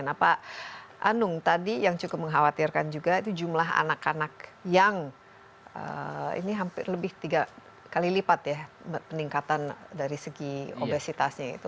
nah pak anung tadi yang cukup mengkhawatirkan juga itu jumlah anak anak yang ini hampir lebih tiga kali lipat ya peningkatan dari segi obesitasnya itu